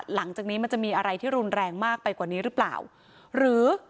หลังจากนี้มันจะมีอะไรที่รุนแรงมากไปกว่านี้หรือเปล่าหรือ